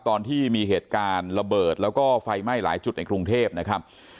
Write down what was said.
ตอนที่มีเหตุการณ์ระเบิดแล้วก็ไฟไหม้หลายจุดในกรุงเทพนะครับ